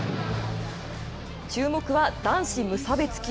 注目は男子無差別級。